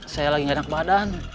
saya lagi gak enak badan